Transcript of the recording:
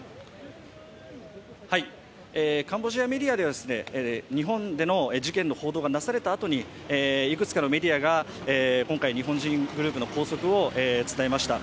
カンボジアメディアでは日本での事件の報道がなされたあとにいくつかのメディアが今回、日本人グループの拘束を伝えました。